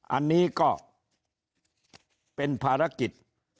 อันนี้ก็เป็นภารกิจ